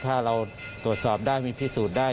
ถ้าเราตรวจสอบได้มีพิสูจน์ได้